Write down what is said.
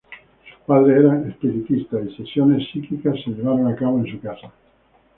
Sus padres eran espiritistas y sesiones psíquicas se llevaron a cabo en su casa.